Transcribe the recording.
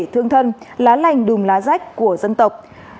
thương thân lá lành đùm lá rách của dân tộc